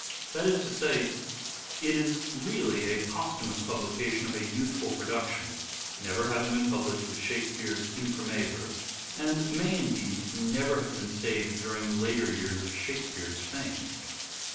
That is to say, it is really a posthumous publication of a youthful production, never having been published with Shake speare's imprimatur, and may, indeed, never have been staged during the later years of " Shakespeare's " fame.